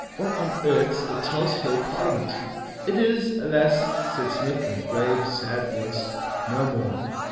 'What on earth's the Tulse Hill Parliament?' 'It is, alas,' said Psmith in a grave, sad voice, 'no more.